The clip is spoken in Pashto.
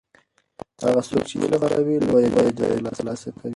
هغه څوک چې علم خپروي لویه جایزه ترلاسه کوي.